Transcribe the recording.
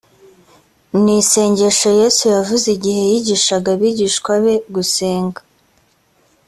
ni isengesho yesu yavuze igihe yigishaga abigishwa be gusenga